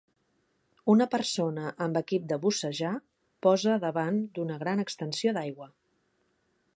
Una persona amb equip de bussejar posa davant d'una gran extensió d'aigua